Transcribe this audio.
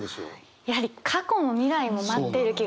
やはり「過去も未来も待っている気がした」ですよね。